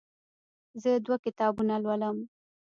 زه دوه کتابونه لولم.